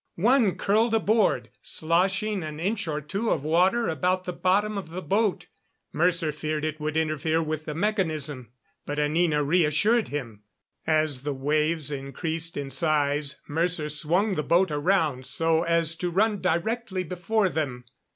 One curled aboard, sloshing an inch or two of water about the bottom of the boat. Mercer feared it would interfere with the mechanism, but Anina reassured him. As the waves increased in size, Mercer swung the boat around so as to run directly before them.